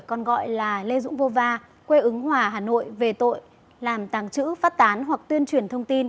còn gọi là lê dũng vô va quê ứng hòa hà nội về tội làm tàng trữ phát tán hoặc tuyên truyền thông tin